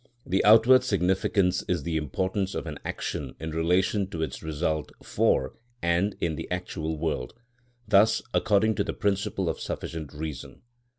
The outward significance is the importance of an action in relation to its result for and in the actual world; thus according to the principle of sufficient reason.